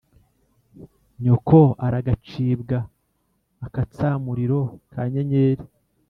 nyoko ar agac ibwa akatsamuriro ka nyenyeri